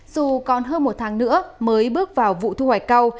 dù còn hơn một tháng nữa mới bước vào vụ thu hoạch cao